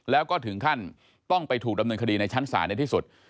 แล้วก็ถึงขั้นต้องไปถูกดำเนินคดีในชั้นศาลในที่สุด